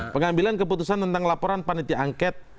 pengambilan keputusan tentang laporan panitia angket